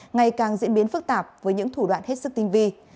ngày càng diễn biến phức tạp với những thủ đoạn hết sức tinh vi